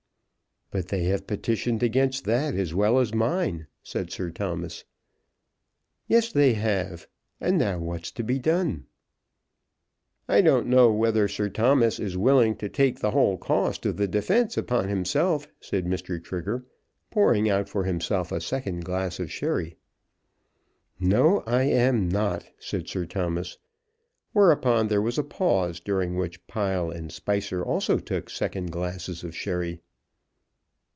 "But they have petitioned against that as well as mine," said Sir Thomas. "Yes; they have. And now what's to be done?" "I don't know whether Sir Thomas is willing to take the whole cost of the defence upon himself," said Mr. Trigger, pouring out for himself a second glass of sherry. "No, I am not," said Sir Thomas. Whereupon there was a pause, during which Pile and Spicer also took second glasses of sherry.